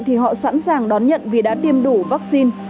thì họ sẵn sàng đón nhận vì đã tiêm đủ vắc xin